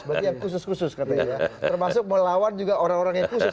berarti yang khusus khusus katanya ya termasuk melawan juga orang orang yang khusus